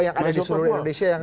yang ada di seluruh indonesia yang